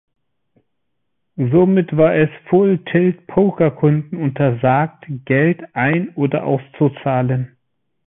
Somit war es Full-Tilt-Poker-Kunden untersagt, Geld ein- oder auszuzahlen.